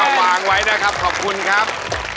วางไว้นะครับขอบคุณครับ